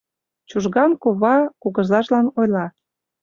— Чужган кува кугызажлан ойла.